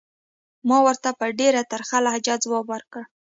ملا ورته په ډېره ترخه لهجه ځواب ورکړ.